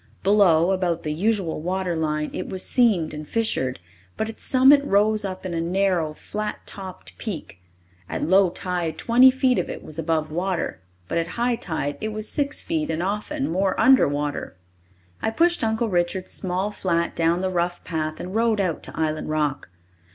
Below, about the usual water line, it was seamed and fissured, but its summit rose up in a narrow, flat topped peak. At low tide twenty feet of it was above water, but at high tide it was six feet and often more under water. I pushed Uncle Richard's small flat down the rough path and rowed out to Island Rock.